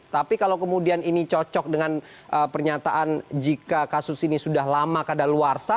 tapi kalau kemudian ini cocok dengan pernyataan jika kasus ini sudah lama kadaluarsa